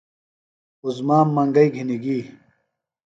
عظمیٰ منگئی گِھنیۡ گی۔